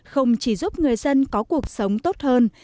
không chỉ giúp người dân có cuộc sống tốt hơn